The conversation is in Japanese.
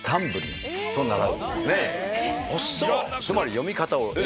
つまり。